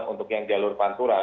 untuk yang jalur pantura